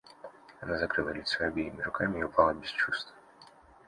Она закрыла лицо обеими руками и упала без чувств.